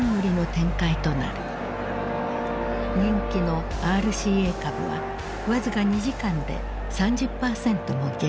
人気のＲＣＡ株は僅か２時間で３０％も下落。